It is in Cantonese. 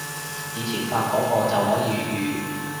以前發個個就可以粵語